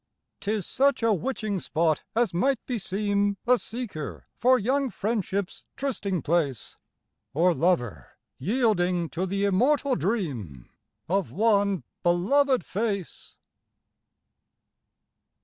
Tis such a witching spot as might beseem A seeker for young friendship's trysting place, Or lover yielding to the immortal dream Of one beloved face.